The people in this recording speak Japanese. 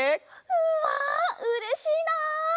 うわうれしいなあ！